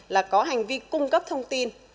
là có hành vi cung cấp thông tin